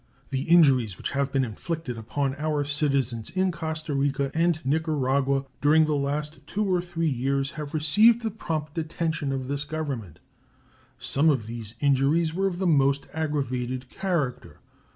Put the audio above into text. The injuries which have been inflicted upon our citizens in Costa Rica and Nicaragua during the last two or three years have received the prompt attention of this Government. Some of these injuries were of the most aggravated character.